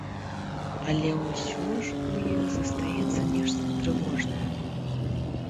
Але ўсё ж у іх застаецца нешта трывожнае.